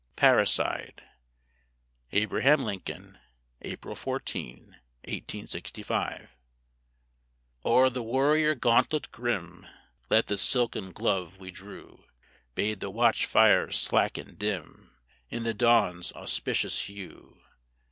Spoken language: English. PARRICIDE ABRAHAM LINCOLN APRIL 14, 1865 O'er the warrior gauntlet grim Late the silken glove we drew, Bade the watch fires slacken dim In the dawn's auspicious hue.